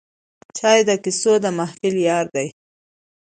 چای د کیسو د محفل یار دی